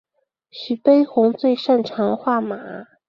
徐悲鸿最擅长画马。